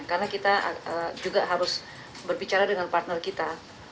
karena kita juga harus berbicara dengan partner kita